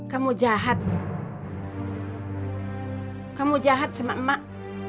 kamu jahat kamu jahat sama emak